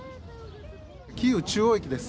キーウ中央駅です。